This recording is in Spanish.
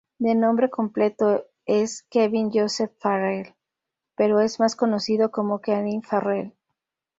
De nombre completo es Kevin Joseph Farrell, pero es más conocido por Kevin Farrell.